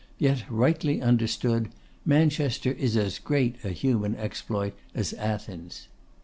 Yet, rightly understood, Manchester is as great a human exploit as Athens.